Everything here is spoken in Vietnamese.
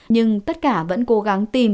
nhưng tất cả vẫn cố gắng tìm